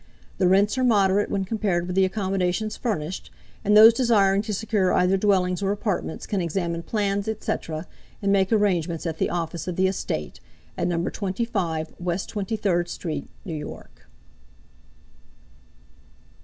The rents are moderate when compared with the accommodations furnished, and those desiring to secure either dwellings or apartments can examine plans, &c., and make arrangements at the office of the estate, at No. 25 West Twenty third street, New York.